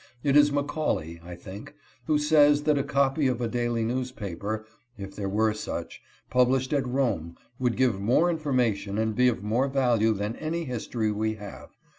It is Macauley ( I think) who says that a copy of a daily newspaper [if there were such] published at Rome would give more informa tion and be of more value than any history we have.